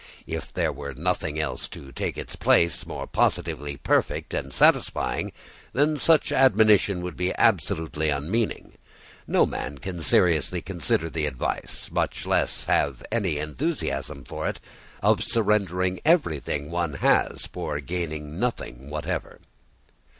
If there were nothing else to take its place more positively perfect and satisfying, then such admonition would be absolutely unmeaning. No man can seriously consider the advice, much less have any enthusiasm for it, of surrendering everything one has for gaining nothing whatever.